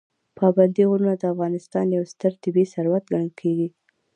پابندي غرونه د افغانستان یو ستر طبعي ثروت ګڼل کېږي.